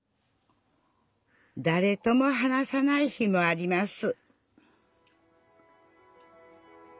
だれとも話さない日もあります